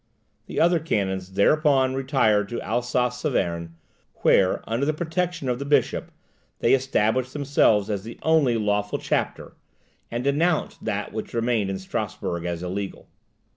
The other canons thereupon retired to Alsace Saverne, where, under the protection of the bishop, they established themselves as the only lawful chapter, and denounced that which remained in Strasburg as illegal.